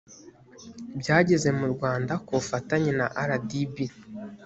byageze mu rwanda ku bufatanye na rdb